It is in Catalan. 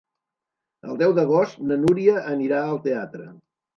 El deu d'agost na Núria anirà al teatre.